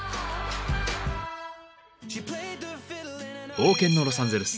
冒険のロサンゼルス。